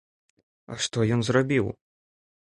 А што ён зрабіў?